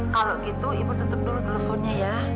kalau gitu ibu tutup dulu teleponnya ya